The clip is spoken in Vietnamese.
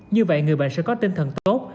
như vậy người bệnh sẽ có tinh thần tốt